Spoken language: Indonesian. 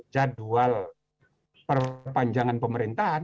jadwal perpanjangan pemerintahan